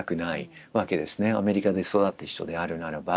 アメリカで育った人であるならば。